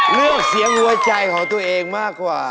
เลือกเสียงหัวใจของตัวเองมากกว่า